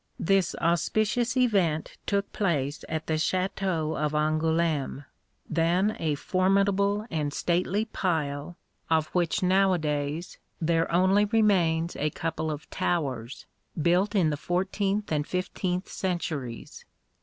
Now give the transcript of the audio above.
This auspicious event took place at the Château of Angoulême, then a formidable and stately pile, of which nowadays there only remains a couple of towers, built in the fourteenth and fifteenth centuries.